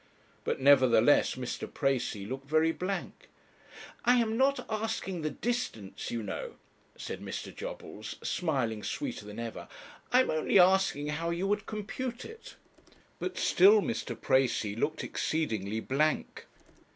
But, nevertheless, Mr. Precis looked very blank. 'I am not asking the distance, you know,' said Mr. Jobbles, smiling sweeter than ever; 'I am only asking how you would compute it.' But still Mr. Precis looked exceedingly blank.